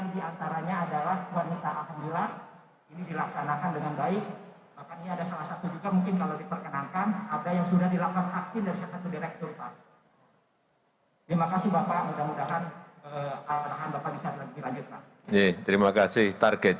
sembilan di antaranya adalah wanita akhendula